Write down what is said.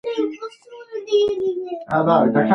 میرویس نیکه د پښتنو د پیاوړتیا لپاره کار کاوه.